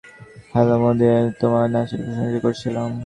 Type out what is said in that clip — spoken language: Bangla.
হ্যালো মন্দিরে তোমার নাচের প্রশংসা করেছিলাম।